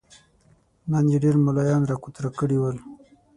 نن يې ډېر ملايان را کوترم کړي ول.